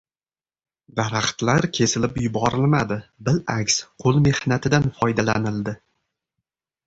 Daraxtlar kesilib yuborilmadi, bil'aks qo'l mehnatidan foydalanildi.